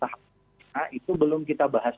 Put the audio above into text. tahap tahap itu belum kita bahas